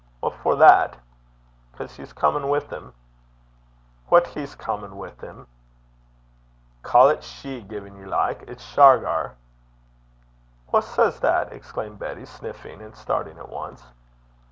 'What for that?' ''Cause he's comin' wi' 'im.' 'What he 's comin' wi' 'im?' 'Ca' 't she, gin ye like. It's Shargar.' 'Wha says that?' exclaimed Betty, sniffing and starting at once.